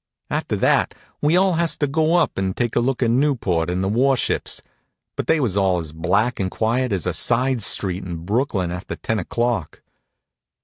After that we all has to go up and take a look at Newport and the warships, but they was all as black and quiet as a side street in Brooklyn after ten o'clock.